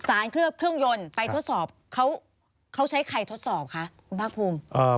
เคลือบเครื่องยนต์ไปทดสอบเขาใช้ใครทดสอบคะคุณภาคภูมิ